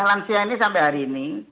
lansia ini sampai hari ini